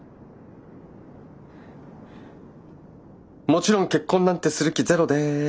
もちろん結婚なんてする気ゼロです。